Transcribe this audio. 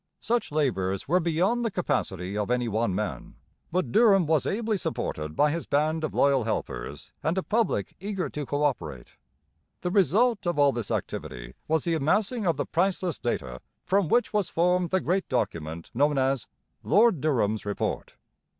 Such labours were beyond the capacity of any one man; but Durham was ably supported by his band of loyal helpers and a public eager to co operate. The result of all this activity was the amassing of the priceless data from which was formed the great document known as Lord Durham's Report.